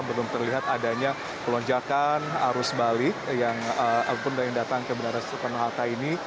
belum terlihat adanya pelonjakan arus balik yang datang ke bandara soekarno hatta ini